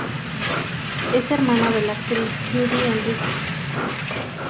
Es hermana de la actriz Judy Henríquez.